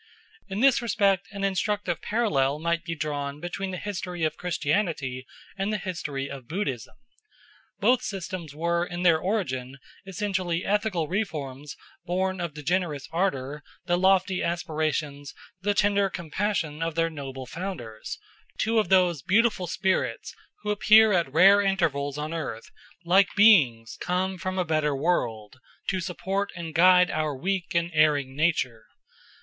In this respect an instructive parallel might be drawn between the history of Christianity and the history of Buddhism. Both systems were in their origin essentially ethical reforms born of the generous ardour, the lofty aspirations, the tender compassion of their noble Founders, two of those beautiful spirits who appear at rare intervals on earth like beings come from a better world to support and guide our weak and erring nature.